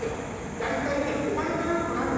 大体ねお前がよくないの。